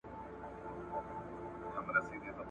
که سهار وو که ماښام جګړه توده وه !.